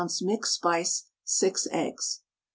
mixed spice, 6 eggs.